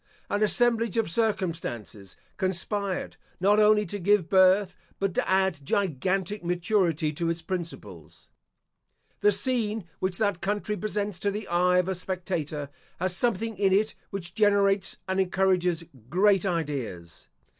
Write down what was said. An assemblage of circumstances conspired, not only to give birth, but to add gigantic maturity to its principles. The scene which that country presents to the eye of a spectator, has something in it which generates and encourages great ideas.